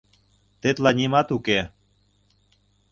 Тетла нимат уке.